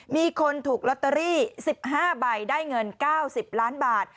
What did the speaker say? มีคนถูกลอตเตอรี่สิบห้าใบได้เงินเก้าสิบล้านบาท